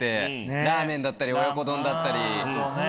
ラーメンだったり親子丼だったり。